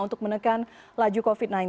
untuk menekan laju covid sembilan belas